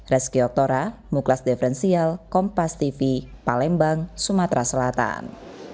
reski oktora muklas deferensial kompas tv palembang sumatera selatan